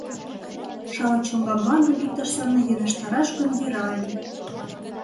Шале чоҥга мландым иктаж семын йӧнештараш гын, йӧра ыле...